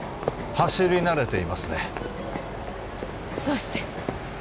走り慣れていますねどうして？